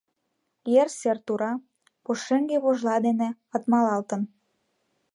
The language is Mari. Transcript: Ер сер тура, пушеҥге вожла дене атмалалтын.